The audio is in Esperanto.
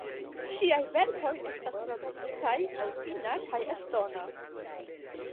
Ŝiaj verkoj estas tradukitaj al finna kaj estona.